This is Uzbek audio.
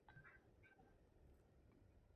Qancha vaqtda etasan